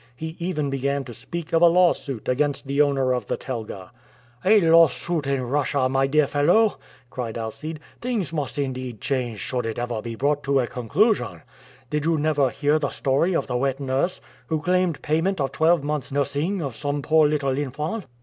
He even began to speak of a lawsuit against the owner of the telga. "A lawsuit in Russia, my dear fellow!" cried Alcide. "Things must indeed change should it ever be brought to a conclusion! Did you never hear the story of the wet nurse who claimed payment of twelve months' nursing of some poor little infant?"